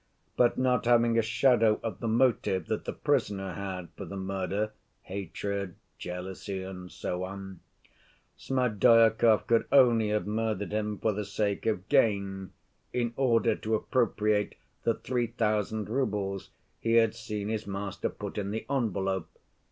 But not having a shadow of the motive that the prisoner had for the murder—hatred, jealousy, and so on—Smerdyakov could only have murdered him for the sake of gain, in order to appropriate the three thousand roubles he had seen his master put in the envelope.